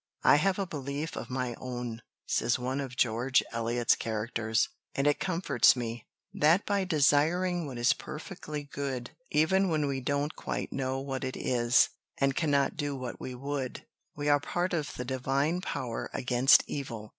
"I have a belief of my own," says one of George Eliot's characters, "and it comforts me That by desiring what is perfectly good, even when we don't quite know what it is, and cannot do what we would, we are part of the divine power against evil."